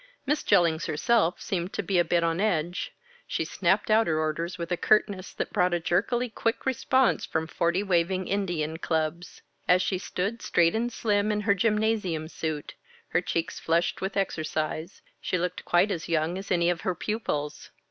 Miss Jellings herself seemed to be a bit on edge. She snapped out her orders with a curtness that brought a jerkily quick response from forty waving Indian clubs. As she stood straight and slim in her gymnasium suit, her cheeks flushed with exercise, she looked quite as young as any of her pupils.